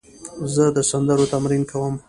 زه د سندرو تمرین کوم.